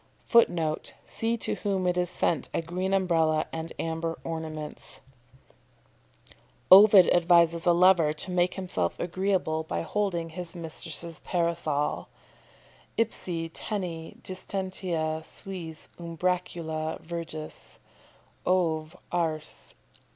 [Footnote: "See to whom it is sent a green umbrella and amber ornaments"] Ovid advises a lover to make himself agreeable by holding his mistress's Parasol: "Ipse tene distenta suis umbracula virgis" _Ov. Ars.